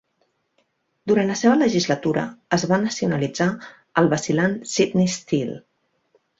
Durant la seva legislatura es va nacionalitzar el vacil·lant "Sydney Steel".